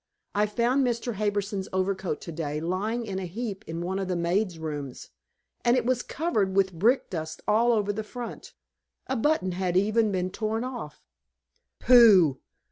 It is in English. I found Mr. Harbison's overcoat today lying in a heap in one of the maids' rooms, and it was covered with brick dust all over the front. A button had even been torn off." "Pooh!"